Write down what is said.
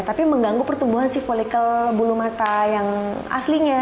tapi mengganggu pertumbuhan si folikel bulu mata yang aslinya